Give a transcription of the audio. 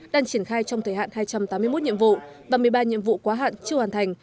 đang triển khai trong thời hạn hai trăm tám mươi một nhiệm vụ và một mươi ba nhiệm vụ quá hạn chưa hoàn thành